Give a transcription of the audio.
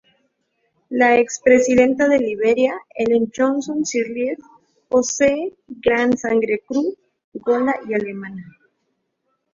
La ex presidenta de Liberia Ellen Johnson Sirleaf posee sangre kru, gola, y alemana.